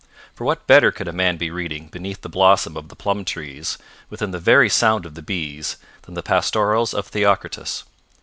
For what better could a man be reading beneath the blossom of the plum trees, within the very sound of the bees, than the Pastorals of Theocritus?